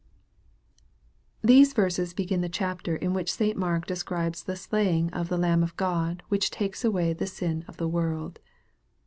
THESE verses begin the chapter in which St. Mark de scribes the slaying of " the Lamb of God, which taketh away the sin of the world."